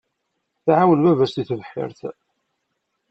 Tɛawen baba-s deg tebḥirt.